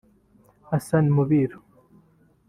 Hassan Mubiru